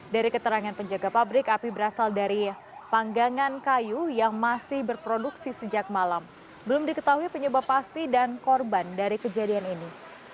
dari keterangan penjaga pabrik api berasal dari panggangan kayu yang masih berproduksi sejak malam belum diketahui penyebab pasti dan korban dari kejadian ini